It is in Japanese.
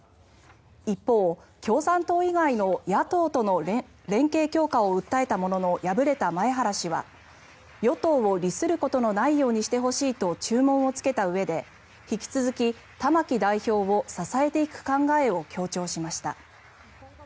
一方、共産党以外の野党との連携強化を訴えたものの敗れた、前原氏は与党を利することのないようにしてほしいと注文をつけたうえで引き続き玉木代表を支えていく考えを強調しました。